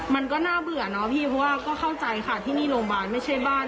มันก็น่าเบื่อเนาะพี่เพราะว่าก็เข้าใจค่ะที่นี่โรงพยาบาลไม่ใช่บ้าน